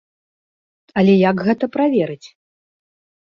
Але як гэта праверыць?